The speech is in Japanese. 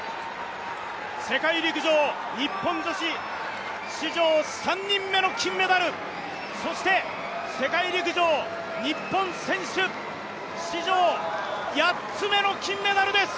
世界陸上日本女子史上３人目の金メダル、そして世界陸上、日本選手史上８つ目の金メダルです！